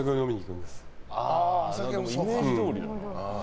イメージどおりだね。